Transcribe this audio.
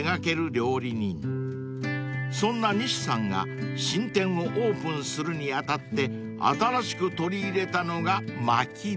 ［そんな西さんが新店をオープンするに当たって新しく取り入れたのがまき火］